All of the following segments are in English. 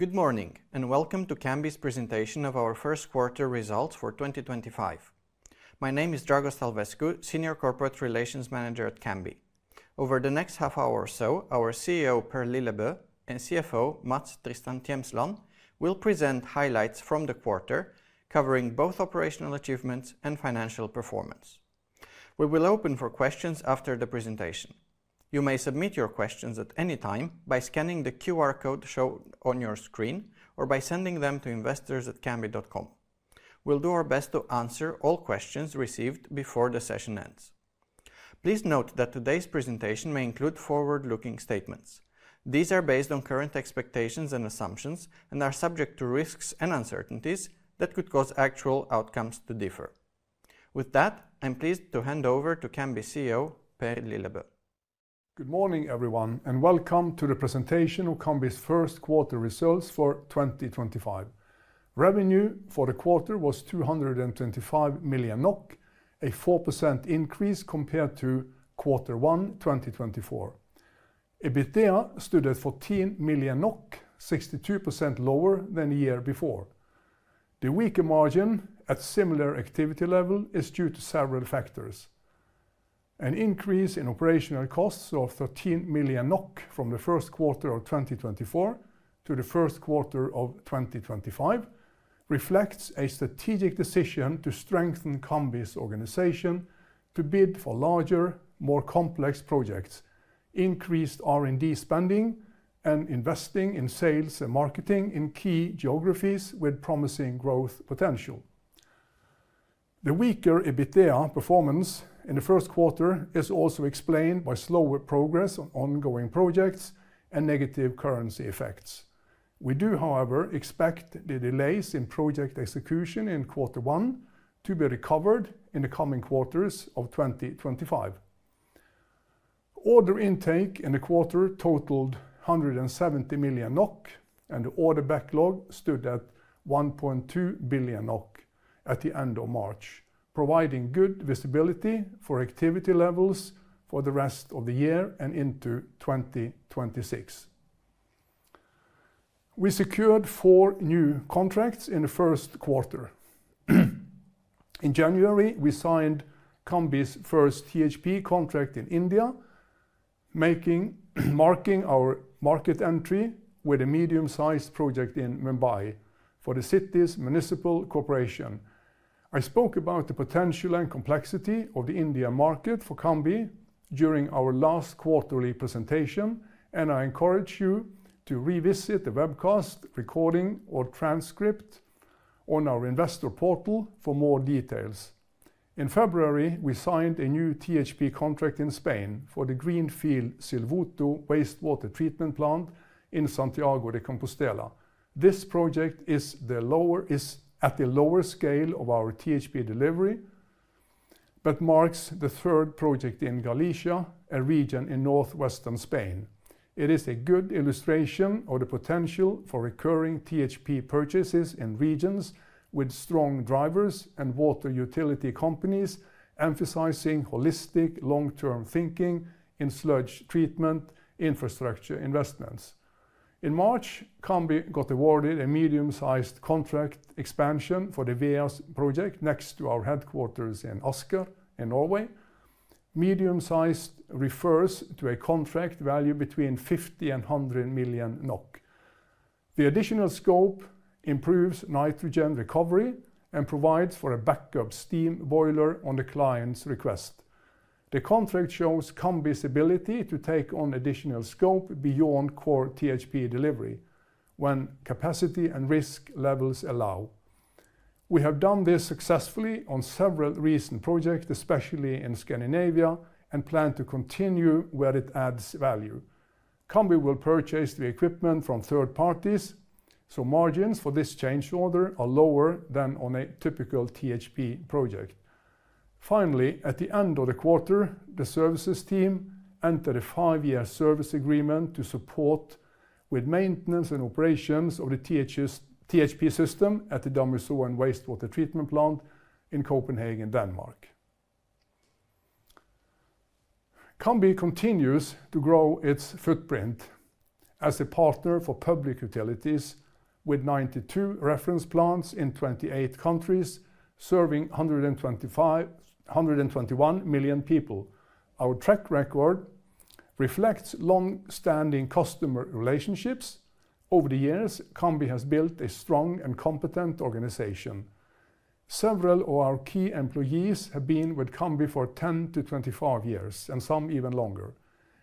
Good morning, and welcome to Cambi's presentation of our First Quarter Results for 2025. My name is Dragos Talvescu, Senior Corporate Relations Manager at Cambi. Over the next half hour or so, our CEO, Per Lillebø, and CFO, Mats Tristan Tjemsland, will present highlights from the quarter, covering both operational achievements and financial performance. We will open for questions after the presentation. You may submit your questions at any time by scanning the QR code shown on your screen or by sending them to investors@cambi.com. We'll do our best to answer all questions received before the session ends. Please note that today's presentation may include forward-looking statements. These are based on current expectations and assumptions and are subject to risks and uncertainties that could cause actual outcomes to differ. With that, I'm pleased to hand over to Cambi CEO, Per Lillebø. Good morning, everyone, and welcome to the presentation of Cambi's First Quarter Results for 2025. Revenue for the quarter was 225 million NOK, a 4% increase compared to Q1 2024. EBITDA stood at 14 million NOK, 62% lower than the year before. The weaker margin at a similar activity level is due to several factors. An increase in operational costs of 13 million NOK from the first quarter of 2024 to the first quarter of 2025 reflects a strategic decision to strengthen Cambi's organization to bid for larger, more complex projects, increased R&D spending, and investing in sales and marketing in key geographies with promising growth potential. The weaker EBITDA performance in the first quarter is also explained by slower progress on ongoing projects and negative currency effects. We do, however, expect the delays in project execution in Q1 to be recovered in the coming quarters of 2025. Order intake in the quarter totaled 170 million NOK, and the order backlog stood at 1.2 billion NOK at the end of March, providing good visibility for activity levels for the rest of the year and into 2026. We secured four new contracts in the first quarter. In January, we signed Cambi's first THP contract in India, marking our market entry with a medium-sized project in Mumbai for the city's municipal corporation. I spoke about the potential and complexity of the Indian market for Cambi during our last quarterly presentation, and I encourage you to revisit the webcast recording or transcript on our investor portal for more details. In February, we signed a new THP contract in Spain for the Greenfield Silvouta wastewater treatment plant in Santiago de Compostela. This project is at the lower scale of our THP delivery, but marks the third project in Galicia, a region in Northwestern Spain. It is a good illustration of the potential for recurring THP purchases in regions with strong drivers and water utility companies emphasizing holistic long-term thinking in sludge treatment infrastructure investments. In March, Cambi got awarded a medium-sized contract expansion for the Veas project next to our headquarters in Asker in Norway. Medium-sized refers to a contract value between 50 million NOK and 100 million NOK. The additional scope improves nitrogen recovery and provides for a backup steam boiler on the client's request. The contract shows Cambi's ability to take on additional scope beyond core THP delivery when capacity and risk levels allow. We have done this successfully on several recent projects, especially in Scandinavia, and plan to continue where it adds value. Cambi will purchase the equipment from third parties, so margins for this change order are lower than on a typical THP project. Finally, at the end of the quarter, the services team entered a five-year service agreement to support with maintenance and operations of the THP system at the Dommelsøen wastewater treatment plant in Copenhagen, Denmark. Cambi continues to grow its footprint as a partner for public utilities, with 92 reference plants in 28 countries serving 121 million people. Our track record reflects long-standing customer relationships. Over the years, Cambi has built a strong and competent organization. Several of our key employees have been with Cambi for 10-25 years, and some even longer.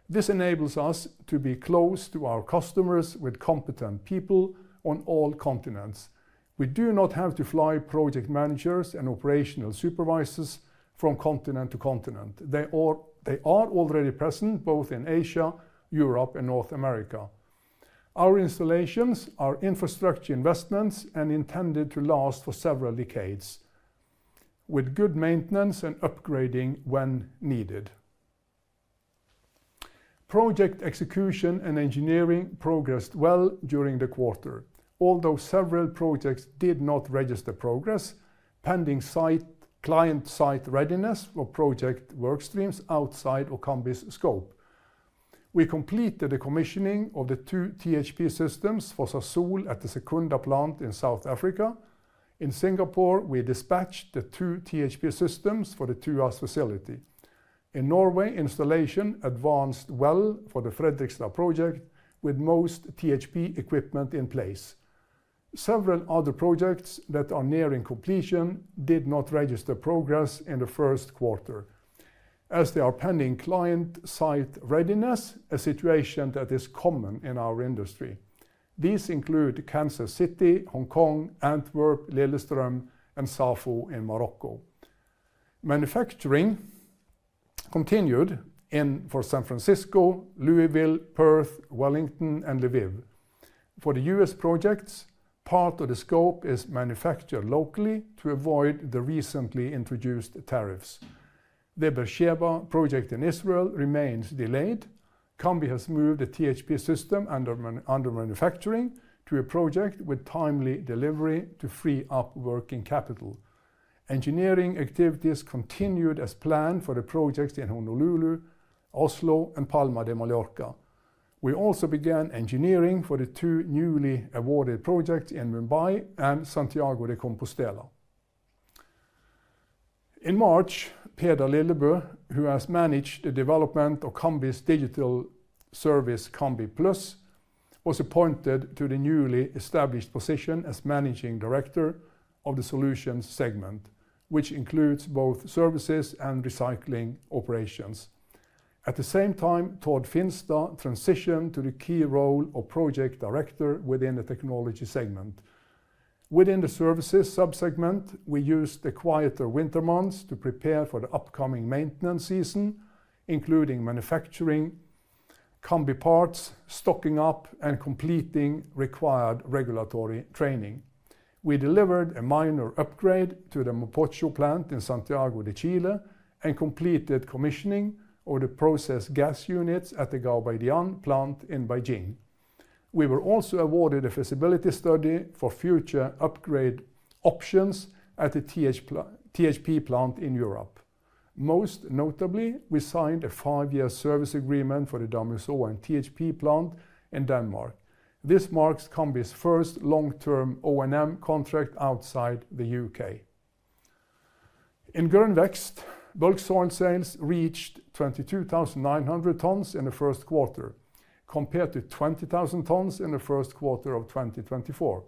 This enables us to be close to our customers with competent people on all continents. We do not have to fly project managers and operational supervisors from continent to continent. They are already present both in Asia, Europe, and North America. Our installations are infrastructure investments and intended to last for several decades, with good maintenance and upgrading when needed. Project execution and engineering progressed well during the quarter, although several projects did not register progress pending client-site readiness for project workstreams outside of Cambi's scope. We completed the commissioning of the two THP systems for Sasol at the Secunda plant in South Africa. In Singapore, we dispatched the two THP systems for the Tuas facility. In Norway, installation advanced well for the Fredrikstad project with most THP equipment in place. Several other projects that are nearing completion did not register progress in the first quarter, as they are pending client-site readiness, a situation that is common in our industry. These include Kansas City, Hong Kong, Antwerp, Lillestrøm, and Safi in Morocco. Manufacturing continued for San Francisco, Louisville, Perth, Wellington, and Lviv. For the U.S. projects, part of the scope is manufactured locally to avoid the recently introduced tariffs. The Be'er-Sheva project in Israel remains delayed. Cambi has moved the THP system under manufacturing to a project with timely delivery to free up working capital. Engineering activities continued as planned for the projects in Honolulu, Oslo, and Palma de Mallorca. We also began engineering for the two newly awarded projects in Mumbai and Santiago de Compostela. In March, Per Lillebø, who has managed the development of Cambi's digital service, Cambi Plus, was appointed to the newly established position as Managing Director of the Solutions segment, which includes both services and recycling operations. At the same time, Todd Finster transitioned to the key role of Project Director within the Technology segment. Within the Services subsegment, we used the quieter winter months to prepare for the upcoming maintenance season, including manufacturing, Cambi parts, stocking up, and completing required regulatory training. We delivered a minor upgrade to the Mapocho plant in Santiago de Chile and completed commissioning of the process gas units at the Gaobeidian plant in Beijing. We were also awarded a feasibility study for future upgrade options at the THP plant in Europe. Most notably, we signed a five-year service agreement for the Dommelsøen THP plant in Denmark. This marks Cambi's first long-term O&M contract outside the U.K. In Grøn Vækst, bulk soil sales reached 22,900 tons in the first quarter, compared to 20,000 tons in the first quarter of 2024.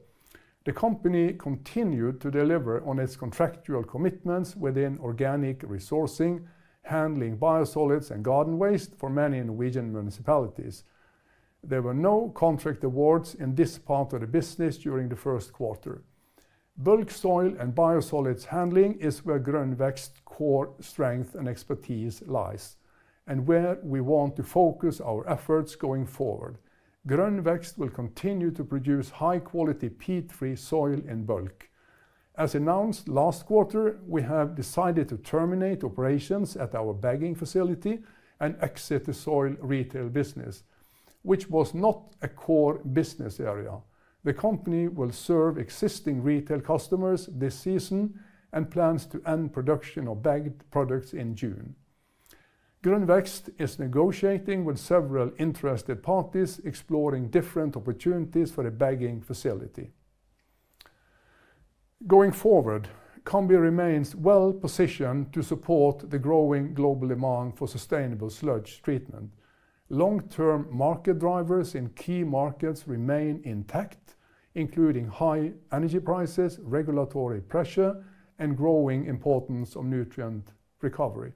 The company continued to deliver on its contractual commitments within organic resourcing, handling biosolids, and garden waste for many Norwegian municipalities. There were no contract awards in this part of the business during the first quarter. Bulk soil and biosolids handling is where Grøn Vækst core strength and expertise lies and where we want to focus our efforts going forward. Grøn Vækst will continue to produce high-quality P3 soil in bulk. As announced last quarter, we have decided to terminate operations at our bagging facility and exit the soil retail business, which was not a core business area. The company will serve existing retail customers this season and plans to end production of bagged products in June. Grøn Vækst is negotiating with several interested parties, exploring different opportunities for a bagging facility. Going forward, Cambi remainswell-positionedd to support the growing global demand for sustainable sludge treatment. Long-term market drivers in key markets remain intact, including high energy prices, regulatory pressure, and growing importance of nutrient recovery.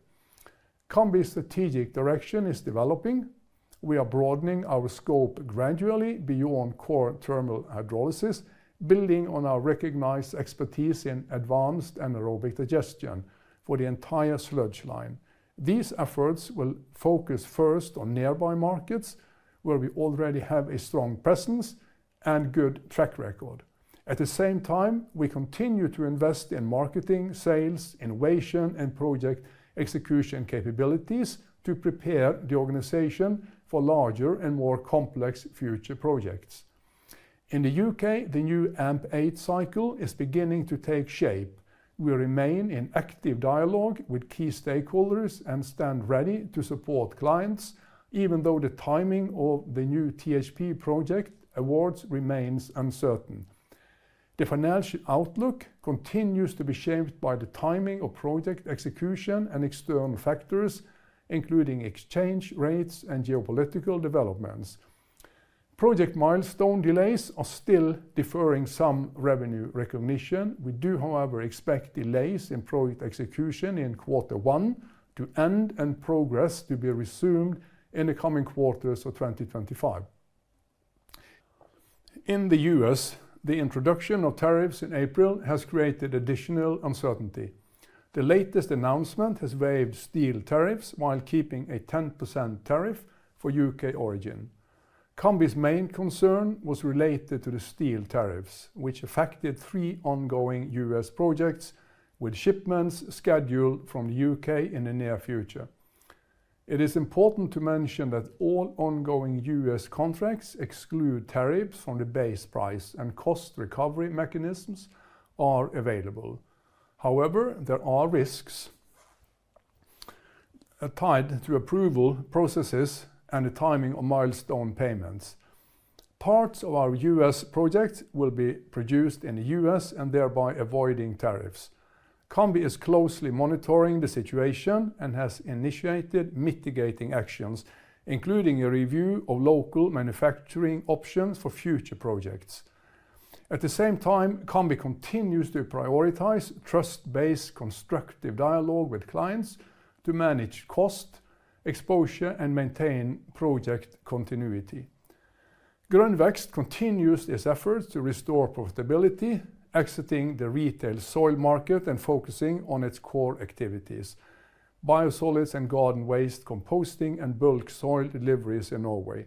Cambi's strategic direction is developing. We are broadening our scope gradually beyond core thermal hydrolysis, building on our recognized expertise in advanced anaerobic digestion for the entire sludge line. These efforts will focus first on nearby markets, where we already have a strong presence and good track record. At the same time, we continue to invest in marketing, sales, innovation, and project execution capabilities to prepare the organization for larger and more complex future projects. In the U.K., the new AMP8 cycle is beginning to take shape. We remain in active dialogue with key stakeholders and stand ready to support clients, even though the timing of the new THP project awards remains uncertain. The financial outlook continues to be shaped by the timing of project execution and external factors, including exchange rates and geopolitical developments. Project milestone delays are still deferring some revenue recognition. We do, however, expect delays in project execution in quarter one to end and progress to be resumed in the coming quarters of 2025. In the U.S., the introduction of tariffs in April has created additional uncertainty. The latest announcement has waived steel tariffs while keeping a 10% tariff for U.K. origin. Cambi's main concern was related to the steel tariffs, which affected three ongoing U.S. projects with shipments scheduled from the U.K. in the near future. It is important to mention that all ongoing U.S. contracts exclude tariffs from the base price, and cost recovery mechanisms are available. However, there are risks tied to approval processes and the timing of milestone payments. Parts of our U.S. projects will be produced in the U.S. and thereby avoiding tariffs. Cambi is closely monitoring the situation and has initiated mitigating actions, including a review of local manufacturing options for future projects. At the same time, Cambi continues to prioritize trust-based constructive dialogue with clients to manage cost exposure and maintain project continuity. Grøn Vækst continues its efforts to restore profitability, exiting the retail soil market and focusing on its core activities: biosolids and garden waste composting and bulk soil deliveries in Norway.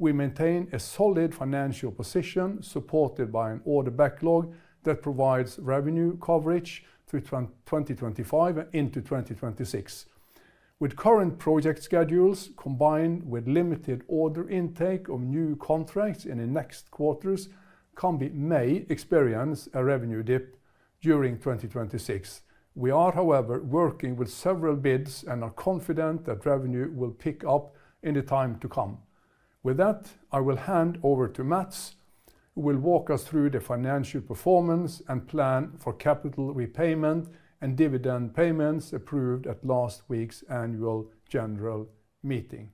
We maintain a solid financial position supported by an order backlog that provides revenue coverage through 2025 into 2026. With current project schedules combined with limited order intake of new contracts in the next quarters, Cambi may experience a revenue dip during 2026. We are, however, working with several bids and are confident that revenue will pick up in the time to come. With that, I will hand over to Mats, who will walk us through the financial performance and plan for capital repayment and dividend payments approved at last week's annual general meeting.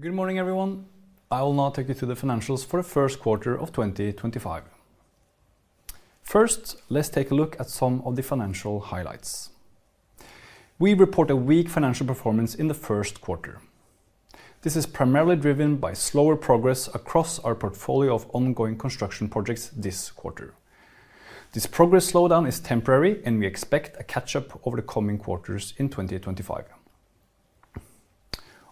Good morning, everyone. I will now take you to the financials for the First Quarter of 2025. First, let's take a look at some of the financial highlights. We report a weak financial performance in the first quarter. This is primarily driven by slower progress across our portfolio of ongoing construction projects this quarter. This progress slowdown is temporary, and we expect a catch-up over the coming quarters in 2025.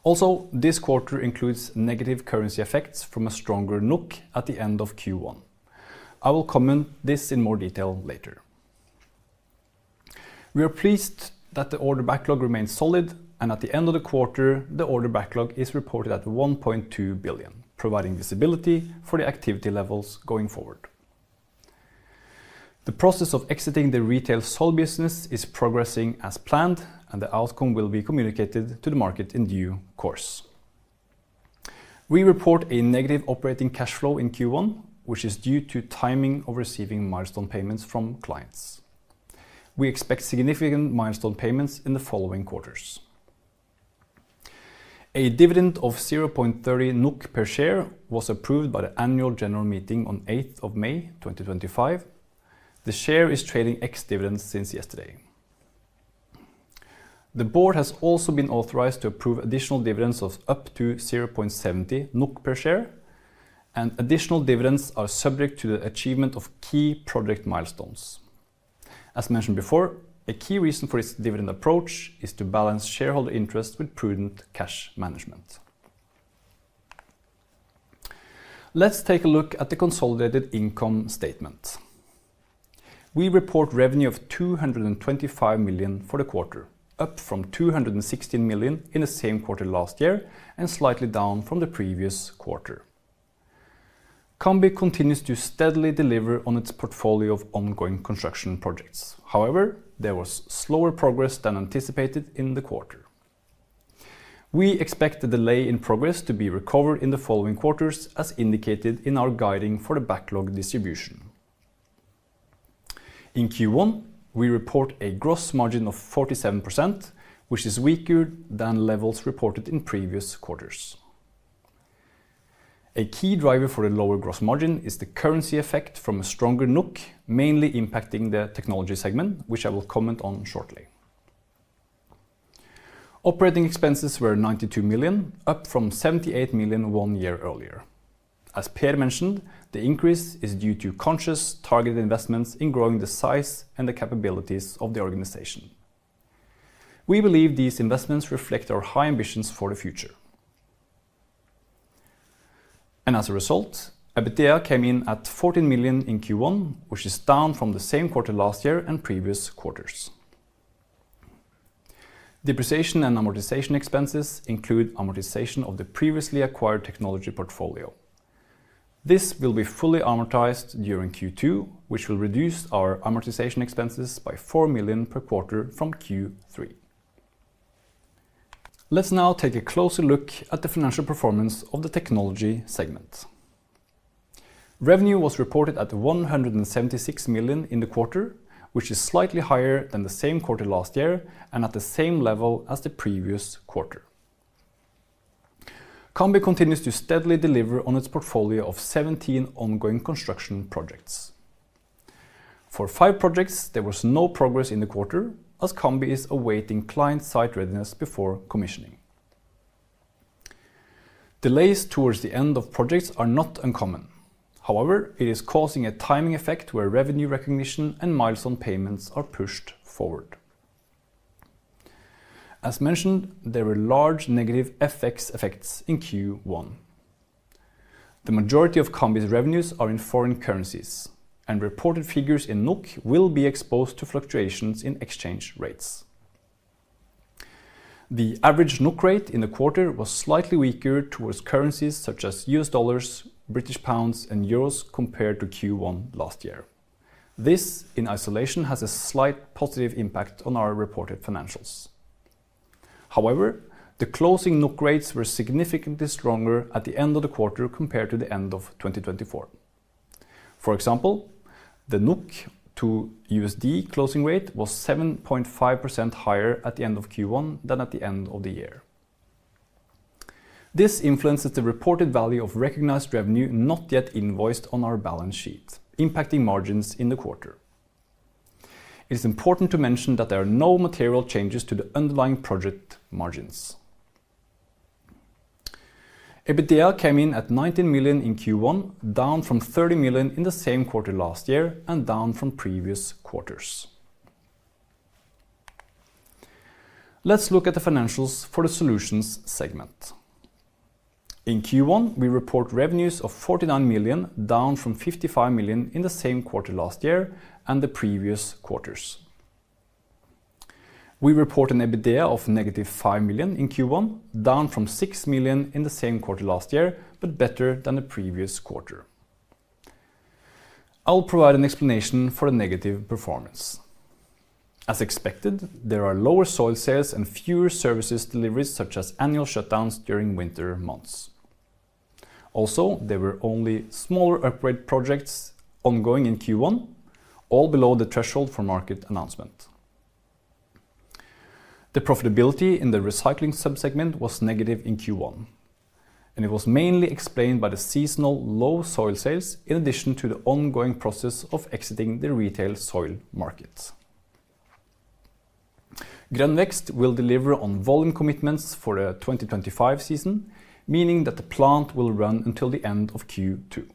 Also, this quarter includes negative currency effects from a stronger NOK at the end of Q1. I will comment on this in more detail later. We are pleased that the order backlog remains solid, and at the end of the quarter, the order backlog is reported at 1.2 billion, providing visibility for the activity levels going forward. The process of exiting the retail soil business is progressing as planned, and the outcome will be communicated to the market in due course. We report a negative operating cash flow in Q1, which is due to timing of receiving milestone payments from clients. We expect significant milestone payments in the following quarters. A dividend of 0.30 NOK per share was approved by the annual general meeting on 8th of May 2025. The share is trading ex-dividend since yesterday. The board has also been authorized to approve additional dividends of up to 0.70 NOK per share, and additional dividends are subject to the achievement of key project milestones. As mentioned before, a key reason for this dividend approach is to balance shareholder interest with prudent cash management. Let's take a look at the consolidated income statement. We report revenue of 225 million for the quarter, up from 216 million in the same quarter last year and slightly down from the previous quarter. Cambi continues to steadily deliver on its portfolio of ongoing construction projects. However, there was slower progress than anticipated in the quarter. We expect the delay in progress to be recovered in the following quarters, as indicated in our guiding for the backlog distribution. In Q1, we report a gross margin of 47%, which is weaker than levels reported in previous quarters. A key driver for the lower gross margin is the currency effect from a stronger NOK, mainly impacting the technology segment, which I will comment on shortly. Operating expenses were 92 million, up from 78 million one year earlier. As Per mentioned, the increase is due to conscious targeted investments in growing the size and the capabilities of the organization. We believe these investments reflect our high ambitions for the future. As a result, EBITDA came in at 14 million in Q1, which is down from the same quarter last year and previous quarters. Depreciation and amortization expenses include amortization of the previously acquired technology portfolio. This will be fully amortized during Q2, which will reduce our amortization expenses by 4 million per quarter from Q3. Let's now take a closer look at the financial performance of the technology segment. Revenue was reported at 176 million in the quarter, which is slightly higher than the same quarter last year and at the same level as the previous quarter. Cambi continues to steadily deliver on its portfolio of 17 ongoing construction projects. For five projects, there was no progress in the quarter, as Cambi is awaiting client-site readiness before commissioning. Delays towards the end of projects are not uncommon. However, it is causing a timing effect where revenue recognition and milestone payments are pushed forward. As mentioned, there were large negative FX effects in Q1. The majority of Cambi's revenues are in foreign currencies, and reported figures in NOK will be exposed to fluctuations in exchange rates. The average NOK rate in the quarter was slightly weaker towards currencies such as U.S. dollars, British pounds, and euros compared to Q1 last year. This, in isolation, has a slight positive impact on our reported financials. However, the closing NOK rates were significantly stronger at the end of the quarter compared to the end of 2024. For example, the NOK to USD closing rate was 7.5% higher at the end of Q1 than at the end of the year. This influences the reported value of recognized revenue not yet invoiced on our balance sheet, impacting margins in the quarter. It is important to mention that there are no material changes to the underlying project margins. EBITDA came in at 19 million in Q1, down from 30 million in the same quarter last year and down from previous quarters. Let's look at the financials for the Solutions segment. In Q1, we report revenues of 49 million, down from 55 million in the same quarter last year and the previous quarters. We report an EBITDA of negative 5 million in Q1, down from 6 million in the same quarter last year, but better than the previous quarter. I'll provide an explanation for the negative performance. As expected, there are lower soil sales and fewer services deliveries such as annual shutdowns during winter months. Also, there were only smaller upgrade projects ongoing in Q1, all below the threshold for market announcement. The profitability in the recycling subsegment was negative in Q1, and it was mainly explained by the seasonal low soil sales in addition to the ongoing process of exiting the retail soil market. Grøn Vækst will deliver on volume commitments for the 2025 season, meaning that the plant will run until the end of Q2.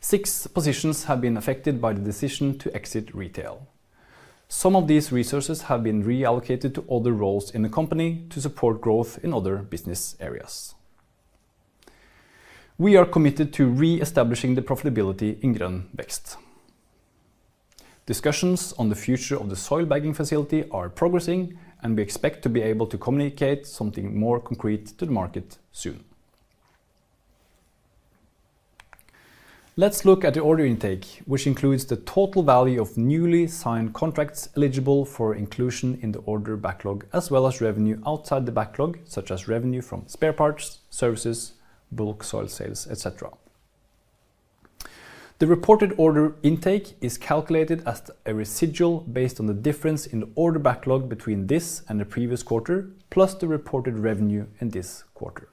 Six positions have been affected by the decision to exit retail. Some of these resources have been reallocated to other roles in the company to support growth in other business areas. We are committed to re-establishing the profitability in Grøn Vækst. Discussions on the future of the soil bagging facility are progressing, and we expect to be able to communicate something more concrete to the market soon. Let's look at the order intake, which includes the total value of newly signed contracts eligible for inclusion in the order backlog, as well as revenue outside the backlog, such as revenue from spare parts, services, bulk soil sales, etc. The reported order intake is calculated as a residual based on the difference in the order backlog between this and the previous quarter, plus the reported revenue in this quarter.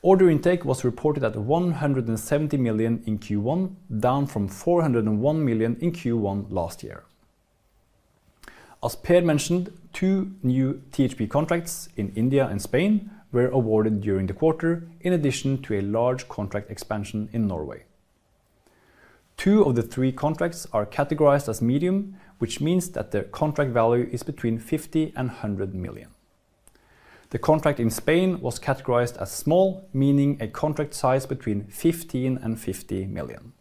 Order intake was reported at 170 million in Q1, down from 401 million in Q1 last year. As Per mentioned, two new THP contracts in India and Spain were awarded during the quarter, in addition to a large contract expansion in Norway. Two of the three contracts are categorized as medium, which means that the contract value is between 50 million and 100 million. The contract in Spain was categorized as small, meaning a contract size between 15 million and 50 million.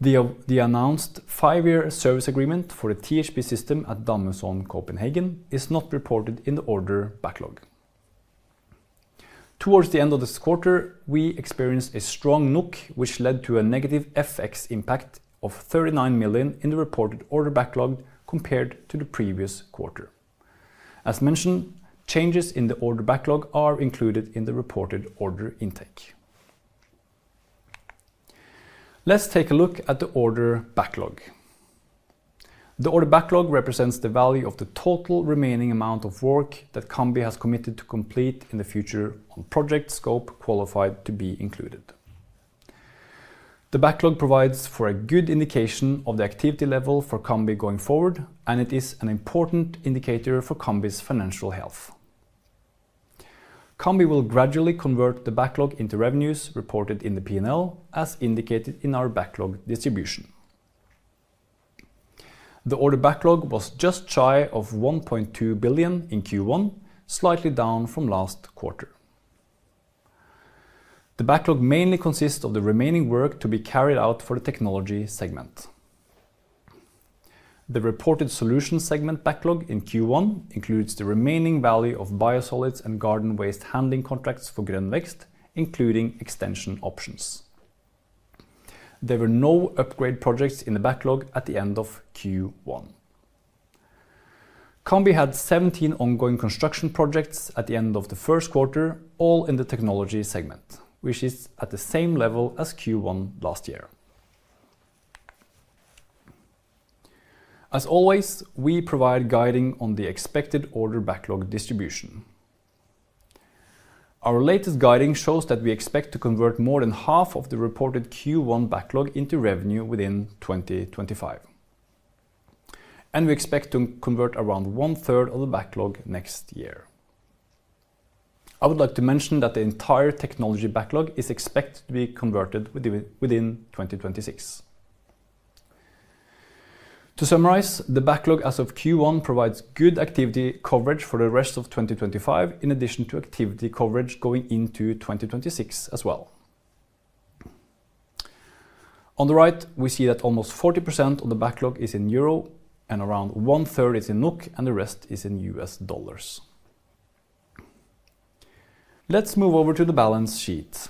The announced five-year service agreement for the THP system at Dommelsøen Copenhagen is not reported in the order backlog. Towards the end of this quarter, we experienced a strong NOK, which led to a negative FX impact of 39 million in the reported order backlog compared to the previous quarter. As mentioned, changes in the order backlog are included in the reported order intake. Let's take a look at the order backlog. The order backlog represents the value of the total remaining amount of work that Cambi has committed to complete in the future on project scope qualified to be included. The backlog provides for a good indication of the activity level for Cambi going forward, and it is an important indicator for Cambi's financial health. Cambi will gradually convert the backlog into revenues reported in the P&L as indicated in our backlog distribution. The order backlog was just shy of 1.2 billion in Q1, slightly down from last quarter. The backlog mainly consists of the remaining work to be carried out for the technology segment. The reported solutions segment backlog in Q1 includes the remaining value of biosolids and garden waste handling contracts for Grøn Vækst, including extension options. There were no upgrade projects in the backlog at the end of Q1. Cambi had 17 ongoing construction projects at the end of the first quarter, all in the technology segment, which is at the same level as Q1 last year. As always, we provide guiding on the expected order backlog distribution. Our latest guiding shows that we expect to convert more than half of the reported Q1 backlog into revenue within 2025, and we expect to convert around one-third of the backlog next year. I would like to mention that the entire technology backlog is expected to be converted within 2026. To summarize, the backlog as of Q1 provides good activity coverage for the rest of 2025, in addition to activity coverage going into 2026 as well. On the right, we see that almost 40% of the backlog is in Euro, and around one-third is in NOK, and the rest is in US dollars. Let's move over to the balance sheet.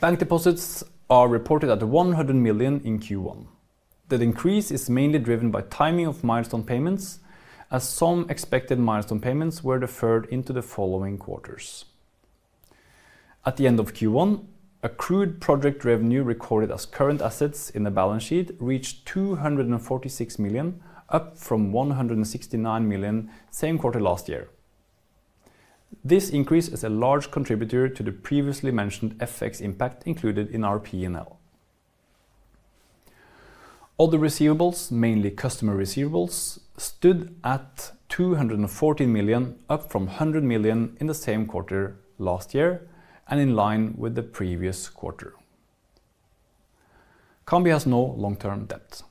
Bank deposits are reported at 100 million in Q1. That increase is mainly driven by timing of milestone payments, as some expected milestone payments were deferred into the following quarters. At the end of Q1, accrued project revenue recorded as current assets in the balance sheet reached 246 million, up from 169 million same quarter last year. This increase is a large contributor to the previously mentioned FX impact included in our P&L. Other receivables, mainly customer receivables, stood at 214 million, up from 100 million in the same quarter last year and in line with the previous quarter. Cambi has no long-term debt.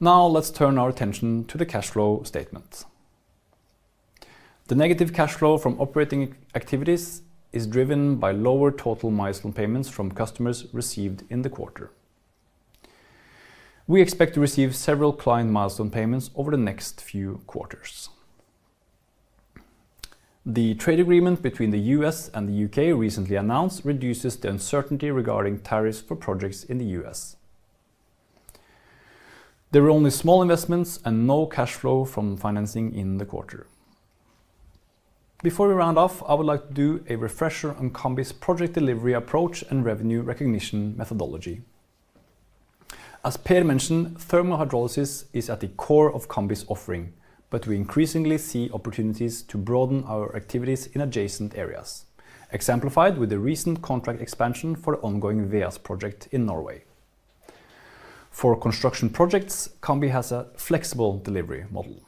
Now let's turn our attention to the cash flow statement. The negative cash flow from operating activities is driven by lower total milestone payments from customers received in the quarter. We expect to receive several client milestone payments over the next few quarters. The trade agreement between the U.S. and the U.K. recently announced reduces the uncertainty regarding tariffs for projects in the U.S. There were only small investments and no cash flow from financing in the quarter. Before we round off, I would like to do a refresher on Cambi's project delivery approach and revenue recognition methodology. As Per mentioned, thermal hydrolysis is at the core of Cambi's offering, but we increasingly see opportunities to broaden our activities in adjacent areas, exemplified with the recent contract expansion for the ongoing Veas project in Norway. For construction projects, Cambi has a flexible delivery model.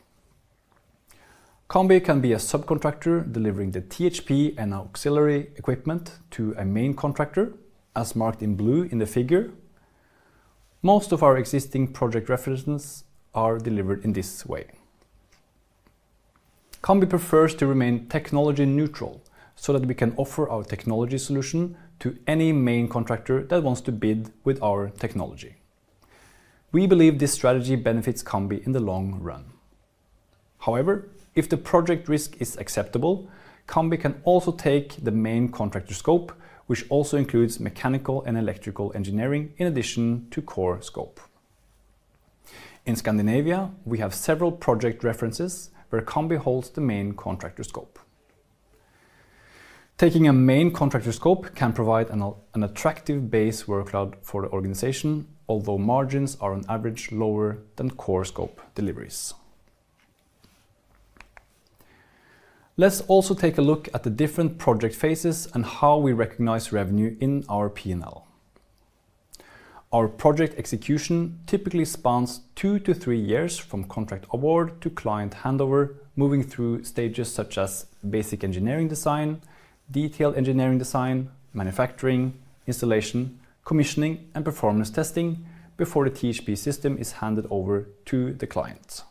Cambi can be a subcontractor delivering the THP and auxiliary equipment to a main contractor, as marked in blue in the figure. Most of our existing project references are delivered in this way. Cambi prefers to remain technology neutral so that we can offer our technology solution to any main contractor that wants to bid with our technology. We believe this strategy benefits Cambi in the long run. However, if the project risk is acceptable, Cambi can also take the main contractor scope, which also includes mechanical and electrical engineering in addition to core scope. In Scandinavia, we have several project references where Cambi holds the main contractor scope. Taking a main contractor scope can provide an attractive base workload for the organization, although margins are on average lower than core scope deliveries. Let's also take a look at the different project phases and how we recognize revenue in our P&L. Our project execution typically spans two to three years from contract award to client handover, moving through stages such as basic engineering design, detailed engineering design, manufacturing, installation, commissioning, and performance testing before the THP system is handed over to the client.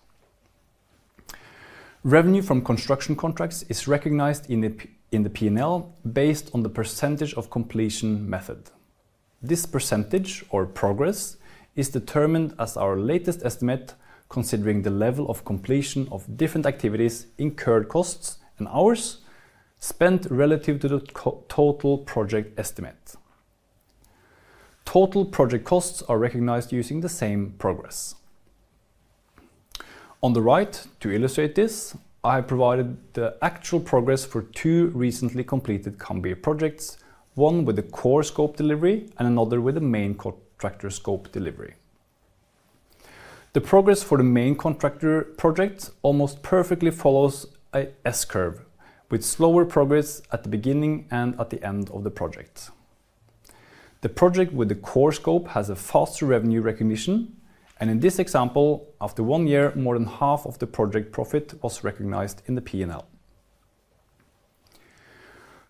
Revenue from construction contracts is recognized in the P&L based on the percentage of completion method. This percentage, or progress, is determined as our latest estimate, considering the level of completion of different activities, incurred costs, and hours spent relative to the total project estimate. Total project costs are recognized using the same progress. On the right, to illustrate this, I have provided the actual progress for two recently completed Cambi projects, one with the core scope delivery and another with the main contractor scope delivery. The progress for the main contractor project almost perfectly follows an S-curve, with slower progress at the beginning and at the end of the project. The project with the core scope has a faster revenue recognition, and in this example, after one year, more than half of the project profit was recognized in the P&L.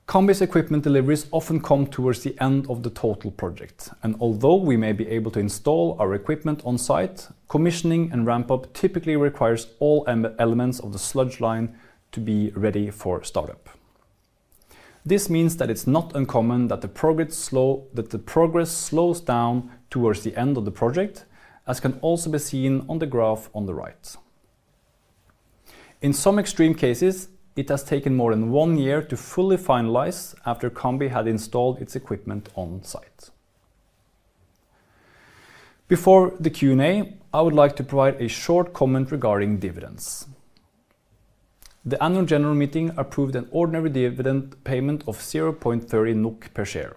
Cambi's equipment deliveries often come towards the end of the total project, and although we may be able to install our equipment on site, commissioning and ramp-up typically requires all elements of the sludge line to be ready for startup. This means that it's not uncommon that the progress slows down towards the end of the project, as can also be seen on the graph on the right. In some extreme cases, it has taken more than one year to fully finalize after Cambi had installed its equipment on site. Before the Q&A, I would like to provide a short comment regarding dividends. The Annual General Meeting approved an ordinary dividend payment of 0.30 NOK per share.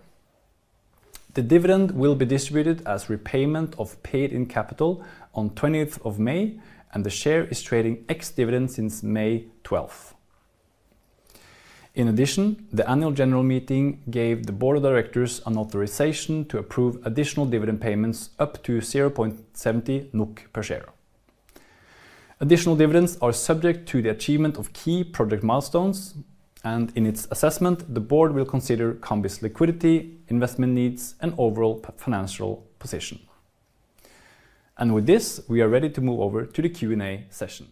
The dividend will be distributed as repayment of paid-in capital on 20th May, and the share is trading ex-dividend since May 12th. In addition, the Annual General Meeting gave the Board of Directors an authorization to approve additional dividend payments up to 0.70 NOK per share. Additional dividends are subject to the achievement of key project milestones, and in its assessment, the Board will consider Cambi's liquidity, investment needs, and overall financial position. With this, we are ready to move over to the Q&A session.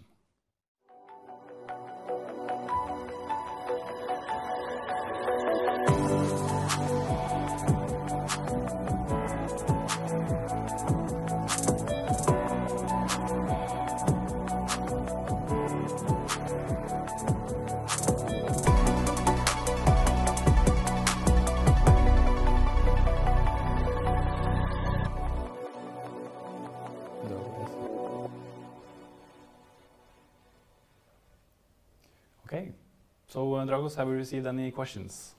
Okay, so Dragos, have we received any questions?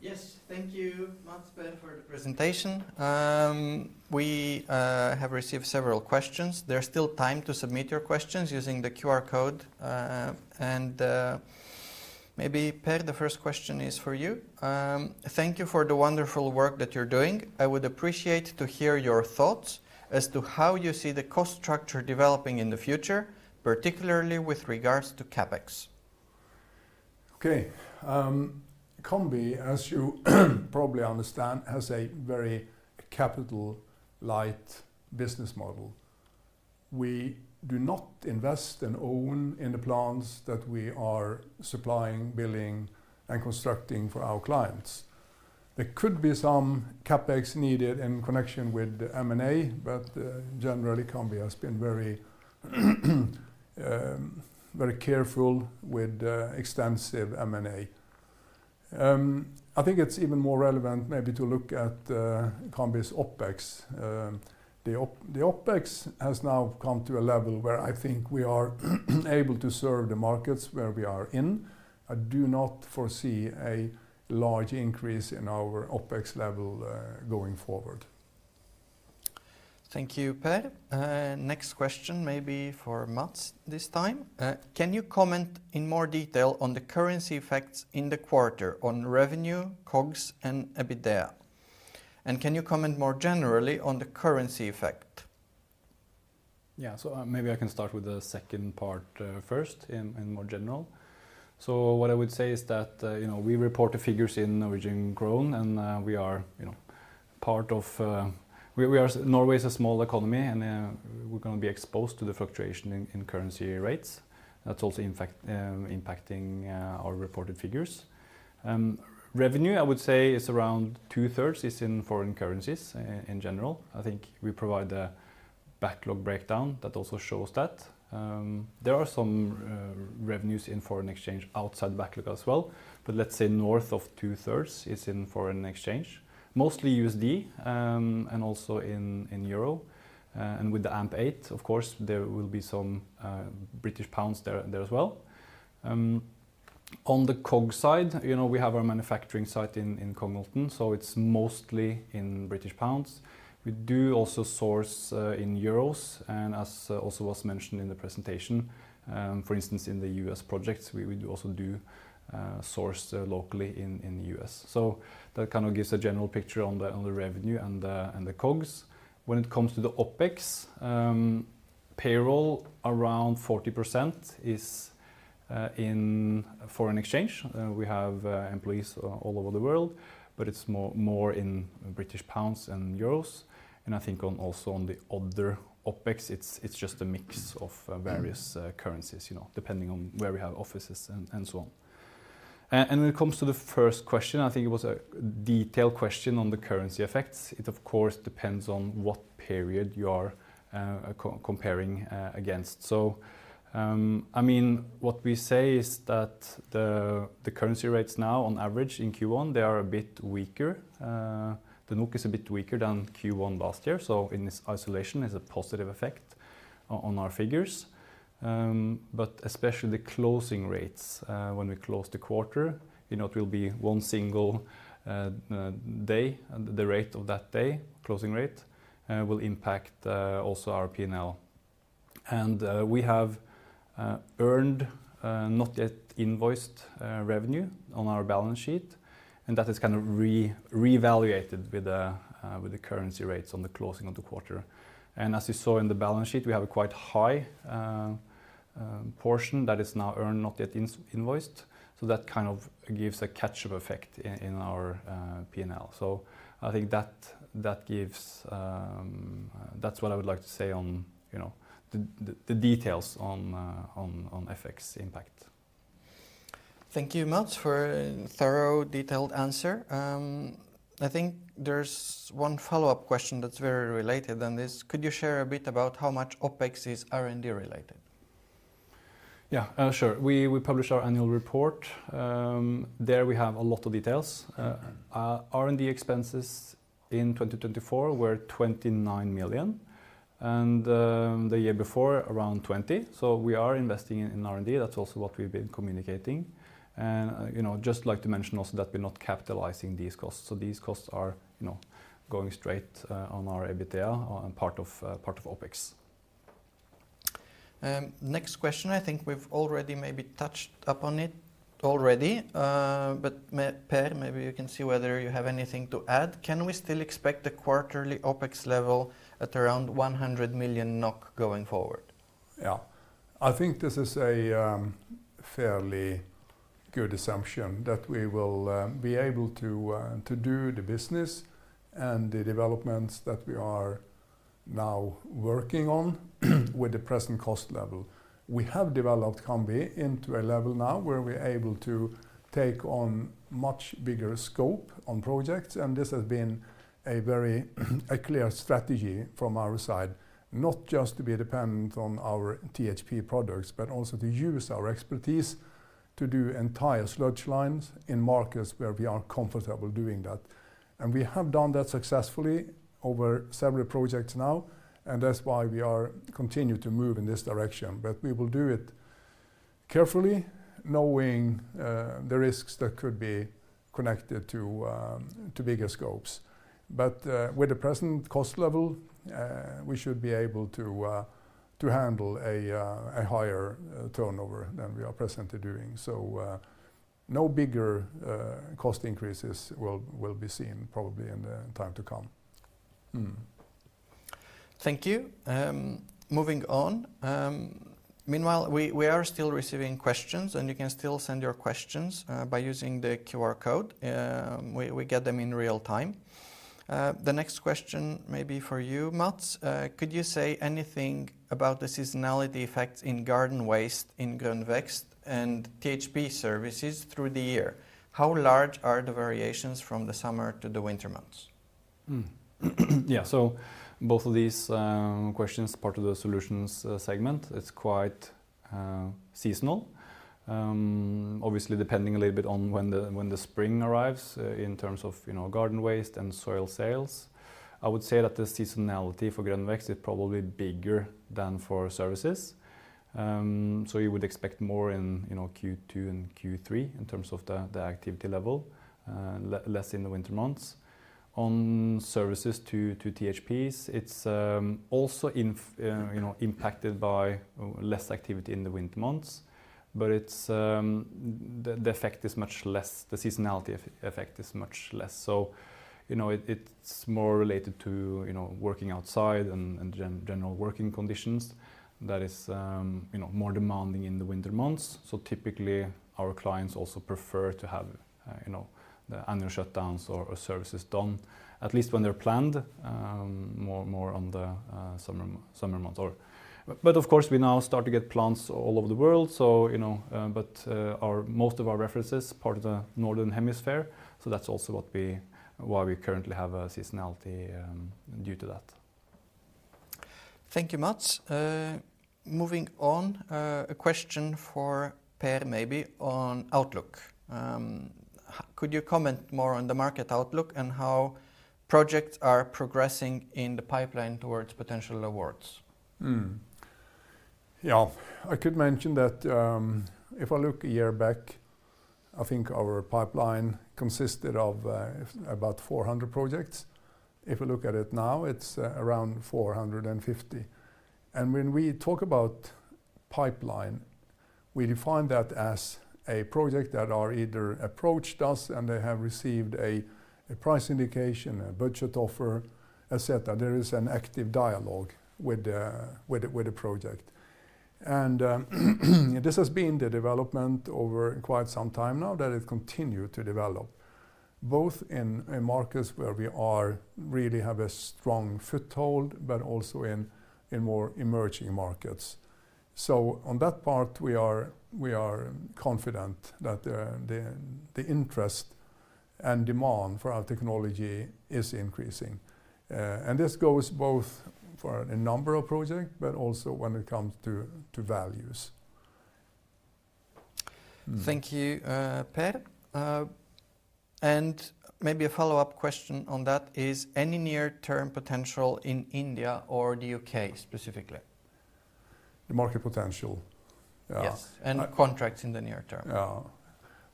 Yes, thank you, for the presentation. We have received several questions. There is still time to submit your questions using the QR code, and maybe Per, the first question is for you. Thank you for the wonderful work that you're doing. I would appreciate to hear your thoughts as to how you see the cost structure developing in the future, particularly with regards to CapEx. Okay, Cambi, as you probably understand, has a very capital-light business model. We do not invest and own in the plants that we are supplying, building, and constructing for our clients. There could be some CapEx needed in connection with the M&A, but generally, Cambi has been very careful with extensive M&A. I think it's even more relevant maybe to look at Cambi's OpEx. The OpEx has now come to a level where I think we are able to serve the markets where we are in. I do not foresee a large increase in our OpEx level going forward. Thank you, Per. Next question, maybe for Mats this time. Can you comment in more detail on the currency effects in the quarter on revenue, COGS, and EBITDA? And can you comment more generally on the currency effect? Yeah, maybe I can start with the second part first in more general. What I would say is that we report the figures in Norwegian Krone, and we are part of Norway's small economy, and we're going to be exposed to the fluctuation in currency rates. That's also impacting our reported figures. Revenue, I would say, is around two-thirds in foreign currencies in general. I think we provide a backlog breakdown that also shows that. There are some revenues in foreign exchange outside backlog as well, but let's say north of two-thirds is in foreign exchange, mostly USD and also in Euro. With the AMP8, of course, there will be some British pounds there as well. On the COGS side, we have our manufacturing site in Cognholten, so it's mostly in British pounds. We do also source in Euros, and as also was mentioned in the presentation, for instance, in the U.S. projects, we also do source locally in the U.S.. That kind of gives a general picture on the revenue and the COGS. When it comes to the OpEx, payroll around 40% is in foreign exchange. We have employees all over the world, but it's more in British pounds and Euros. I think also on the other OpEx, it's just a mix of various currencies, depending on where we have offices and so on. When it comes to the first question, I think it was a detailed question on the currency effects. It, of course, depends on what period you are comparing against. I mean, what we say is that the currency rates now, on average in Q1, they are a bit weaker. The NOK is a bit weaker than Q1 last year, so in this isolation, it's a positive effect on our figures. Especially the closing rates, when we close the quarter, it will be one single day, the rate of that day, closing rate, will impact also our P&L. We have earned not yet invoiced revenue on our balance sheet, and that is kind of re-evaluated with the currency rates on the closing of the quarter. As you saw in the balance sheet, we have a quite high portion that is now earned, not yet invoiced. That kind of gives a catch-up effect in our P&L. I think that gives, that's what I would like to say on the details on FX impact. Thank you, Mats, for a thorough detailed answer. I think there's one follow-up question that's very related and it is, could you share a bit about how much OpEx is R&D related? Yeah, sure. We publish our annual report. There we have a lot of details. R&D expenses in 2024 were 29 million, and the year before, around 20 million. We are investing in R&D. That's also what we've been communicating. I'd just like to mention also that we're not capitalizing these costs. These costs are going straight on our EBITDA and part of OpEx. Next question, I think we've already maybe touched upon it already, but Per, maybe you can see whether you have anything to add. Can we still expect the quarterly OpEx level at around 100 million NOK going forward? Yeah, I think this is a fairly good assumption that we will be able to do the business and the developments that we are now working on with the present cost level. We have developed Cambi into a level now where we're able to take on much bigger scope on projects, and this has been a very clear strategy from our side, not just to be dependent on our THP products, but also to use our expertise to do entire sludge lines in markets where we are comfortable doing that. We have done that successfully over several projects now, and that's why we continue to move in this direction. We will do it carefully, knowing the risks that could be connected to bigger scopes. With the present cost level, we should be able to handle a higher turnover than we are presently doing. No bigger cost increases will be seen probably in the time to come. Thank you. Moving on. Meanwhile, we are still receiving questions, and you can still send your questions by using the QR code. We get them in real time. The next question may be for you, Mats. Could you say anything about the seasonality effects in garden waste in Grøn Vækst and THP services through the year? How large are the variations from the summer to the winter months? Yeah, so both of these questions are part of the solutions segment. It's quite seasonal, obviously depending a little bit on when the spring arrives in terms of garden waste and soil sales. I would say that the seasonality for Grønn Vækst is probably bigger than for services. You would expect more in Q2 and Q3 in terms of the activity level, less in the winter months. On services to THPs, it's also impacted by less activity in the winter months, but the effect is much less. The seasonality effect is much less. It is more related to working outside and general working conditions that is more demanding in the winter months. Typically, our clients also prefer to have the annual shutdowns or services done, at least when they are planned, more in the summer months. Of course, we now start to get plants all over the world, but most of our references are part of the northern hemisphere. That is also why we currently have a seasonality due to that. Thank you, Mats. Moving on, a question for Per maybe on outlook. Could you comment more on the market outlook and how projects are progressing in the pipeline towards potential awards? Yeah, I could mention that if I look a year back, I think our pipeline consisted of about 400 projects. If we look at it now, it is around 450. When we talk about pipeline, we define that as a project that has either approached us and they have received a price indication, a budget offer, etc. There is an active dialogue with the project. This has been the development over quite some time now that it continued to develop, both in markets where we really have a strong foothold, but also in more emerging markets. On that part, we are confident that the interest and demand for our technology is increasing. This goes both for a number of projects, but also when it comes to values. Thank you, Per. Maybe a follow-up question on that is, any near-term potential in India or the U.K. specifically? The market potential, yes. Yes, and contracts in the near term. Yeah.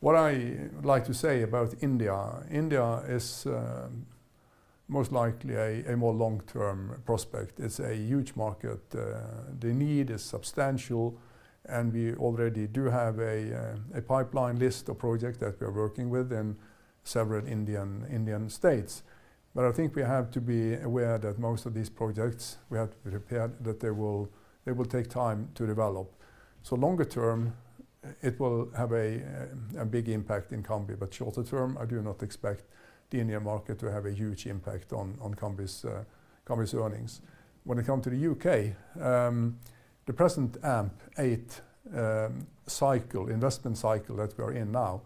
What I would like to say about India, India is most likely a more long-term prospect. It's a huge market. The need is substantial, and we already do have a pipeline list of projects that we are working with in several Indian states. I think we have to be aware that most of these projects, we have to be prepared that they will take time to develop. Longer term, it will have a big impact in Cambi, but shorter term, I do not expect the Indian market to have a huge impact on Cambi's earnings. When it comes to the U.K., the present AMP8 cycle, investment cycle that we are in now,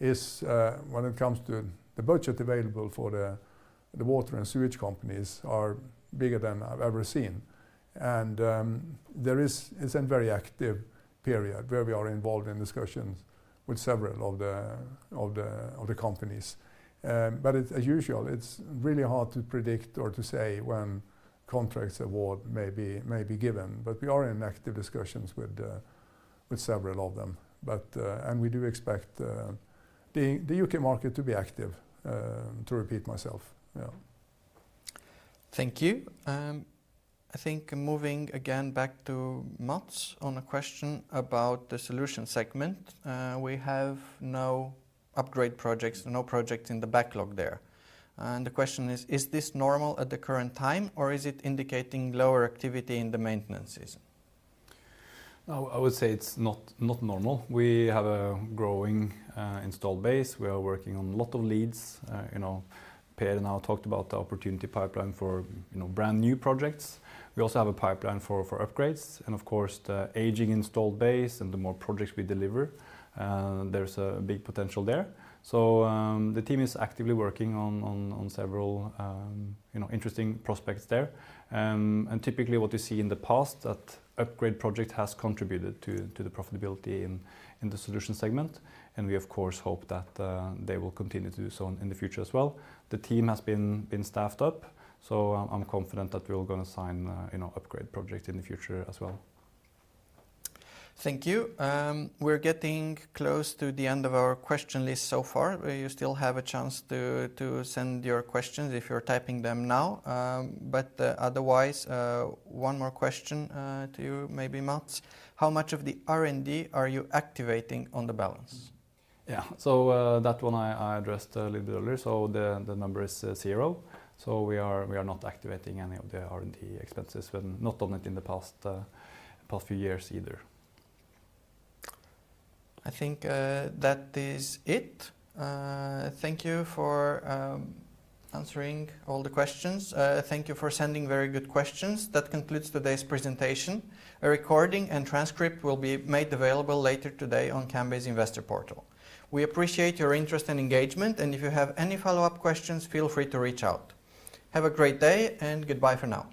is when it comes to the budget available for the water and sewage companies are bigger than I've ever seen. There is a very active period where we are involved in discussions with several of the companies. As usual, it's really hard to predict or to say when contracts award may be given, but we are in active discussions with several of them. We do expect the U.K. market to be active, to repeat myself. Thank you. I think moving again back to Mats on a question about the Solutions segment. We have no upgrade projects, no project in the backlog there. The question is, is this normal at the current time, or is it indicating lower activity in the maintenances? I would say it's not normal. We have a growing installed base. We are working on a lot of leads. Per now talked about the opportunity pipeline for brand new projects. We also have a pipeline for upgrades. Of course, the aging installed base and the more projects we deliver, there's a big potential there. The team is actively working on several interesting prospects there. Typically what you see in the past, that upgrade project has contributed to the profitability in the Solutions segment. We, of course, hope that they will continue to do so in the future as well. The team has been staffed up, so I'm confident that we're going to sign upgrade projects in the future as well. Thank you. We're getting close to the end of our question list so far. You still have a chance to send your questions if you're typing them now. Otherwise, one more question to you, maybe Mats. How much of the R&D are you activating on the balance? Yeah, so that one I addressed a little earlier. The number is zero. We are not activating any of the R&D expenses, not on it in the past few years either. I think that is it. Thank you for answering all the questions. Thank you for sending very good questions. That concludes today's presentation. A recording and transcript will be made available later today on Cambi's Investor Portal. We appreciate your interest and engagement, and if you have any follow-up questions, feel free to reach out. Have a great day and goodbye for now.